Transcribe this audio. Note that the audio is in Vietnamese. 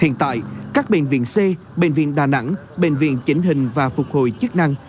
hiện tại các bệnh viện c bệnh viện đà nẵng bệnh viện chỉnh hình và phục hồi chức năng